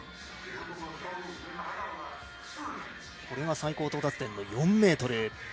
これが最高到達点の４ｍ。